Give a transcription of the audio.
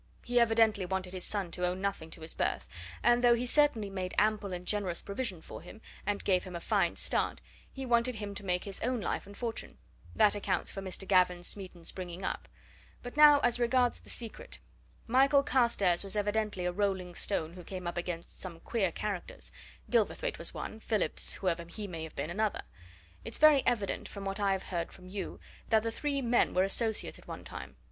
He evidently wanted his son to owe nothing to his birth; and though he certainly made ample and generous provision for him, and gave him a fine start, he wanted him to make his own life and fortune. That accounts for Mr. Gavin Smeaton's bringing up. But now as regards the secret. Michael Carstairs was evidently a rolling stone who came up against some queer characters Gilverthwaite was one, Phillips whoever he may have been another. It's very evident, from what I've heard from you, that the three men were associates at one time.